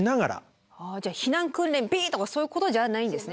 じゃあ避難訓練ピッとかそういうことじゃないんですね。